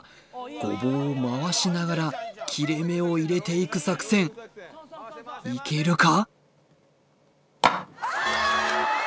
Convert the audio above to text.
ゴボウを回しながら切れ目を入れていく作戦いけるか？